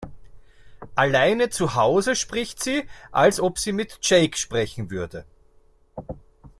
Alleine zuhause spricht sie, als ob sie mit Jake sprechen würde.